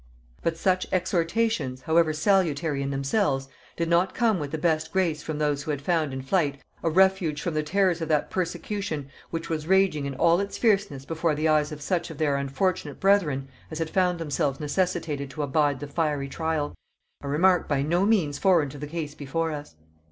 But such exhortations, however salutary in themselves, did not come with the best grace from those who had found in flight a refuge from the terrors of that persecution which was raging in all its fierceness before the eyes of such of their unfortunate brethren as had found themselves necessitated to abide the fiery trial. A remark by no means foreign to the case before us!